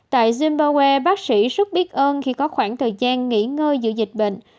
tại zimbabwe bác sĩ rất biết ơn khi có khoảng thời gian nghỉ ngơi giữa dịch bệnh